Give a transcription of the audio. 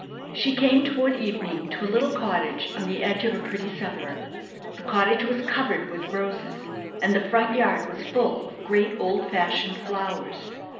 She came toward evening to a little cottage on the edge of a pretty suburb. The cottage was covered with roses, and the front yard was full of great old fashioned flowers.